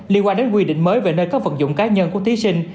liên quan đến quy định mới về nơi các phận dụng cá nhân của thí sinh